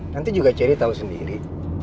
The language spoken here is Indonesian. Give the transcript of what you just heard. nanti juga ceri tahu sendiri